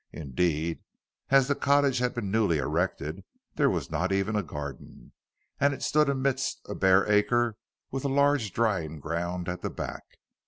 Indeed, as the cottage had been newly erected, there was not even a garden, and it stood amidst a bare acre with a large drying ground at the back.